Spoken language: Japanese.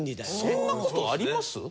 そんな事あります？